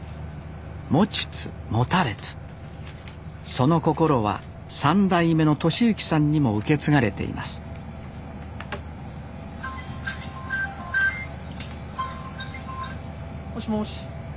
その心は３代目の利幸さんにも受け継がれていますもしもし。